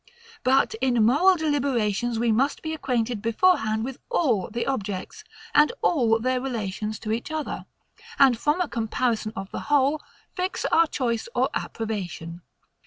But in moral deliberations we must be acquainted beforehand with all the objects, and all their relations to each other; and from a comparison of the whole, fix our choice or approbation.